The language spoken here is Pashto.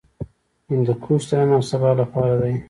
هندوکش د نن او سبا لپاره دی.